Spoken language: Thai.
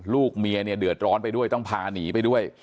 ลูกเมียเนี่ยเดือดร้อนไปด้วยต้องพาหนีไปด้วย